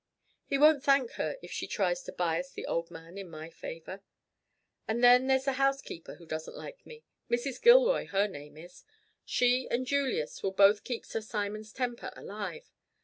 He won't thank her if she tries to bias the old man in my favor. And then there's the housekeeper who doesn't like me Mrs. Gilroy her name is. She and Julius will both keep Sir Simon's temper alive.